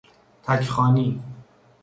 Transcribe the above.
تک خوانی